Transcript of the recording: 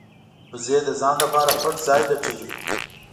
وزې د ځان لپاره پټ ځای لټوي